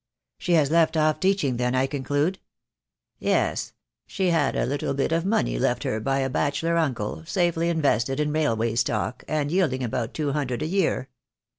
"She has left off teaching, then, I conclude?" "Yes. She had a little bit of money left her by a bachelor uncle, safely invested in railway stock, and yield ing about two hundred a year.